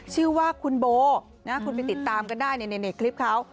ชื่อว่าคุณโบคุณไปติดตามกันได้ในคลิปเขา